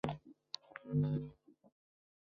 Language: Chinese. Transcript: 这些政策一定程度的缓解了汉瑶矛盾。